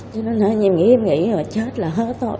cho nên em nghĩ em nghĩ là chết là hết thôi